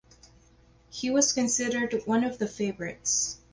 He was considered one of the favourites.